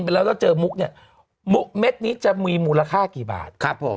ไปแล้วถ้าเจอมุกเนี่ยมุกเม็ดนี้จะมีมูลค่ากี่บาทครับผม